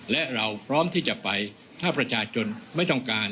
และเราพร้อมที่จะไปถ้าประชาชนไม่ต้องการ